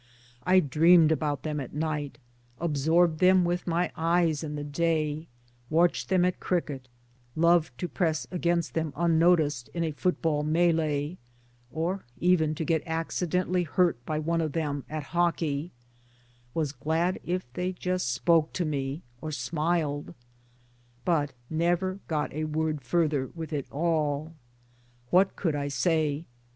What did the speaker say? I dreamed about them at night, absorbed them with my eyes in the day, watched them at cricket, loved to press against them unnoticed in a football melly, or even to get accidentally hurt by one of them at hockey, was glad if they just spoke to me or smiled ; but never got a word farther with it all. What could I say?